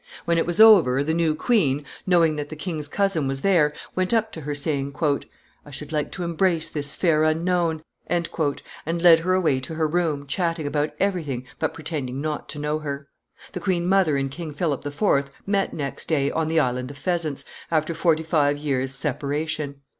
When it was over, the new queen, knowing that the king's cousin was there, went up to her, saying, "I should like to embrace this fair unknown," and led her away to her room, chatting about everything, but pretending not to know her. The queen mother and King Philip IV. met next day, on the Island of Pheasants, after forty five years' separation.